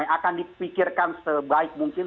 akan dipikirkan sebaik mungkin